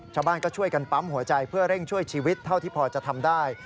ชาวบ้านก็ช่วยกันปั๊มหัวใจเพื่อเร่งช่วยชีวิตเท่าที่พอจะทำได้